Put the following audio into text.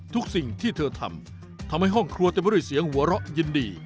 ทุกสิ่งที่เธอทำทำให้ห้องครัวเต็มไปด้วยเสียงหัวเราะยินดี